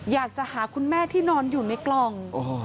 อยากจะหาคุณแม่ที่นอนอยู่ในกล่อง